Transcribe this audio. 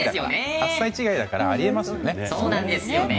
８歳違いだからあり得ますよね。